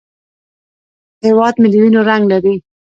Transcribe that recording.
هیواد مې د وینو رنګ لري